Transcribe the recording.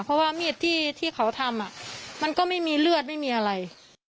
เพราะว่ามีดที่เขาทำมันก็ไม่มีเลือดไม่มีอะไร